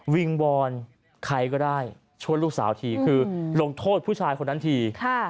วิงวอนใครก็ได้ช่วยลูกสาวทีคือลงโทษผู้ชายคนนั้นที